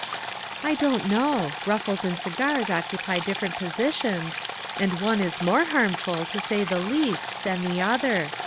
"I don't know; ruffles and cigars occupy different positions, and one is more harmful, to say the least, than the other.